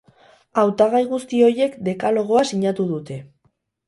Hautagai guzti horiek dekalagoa sinatu dute.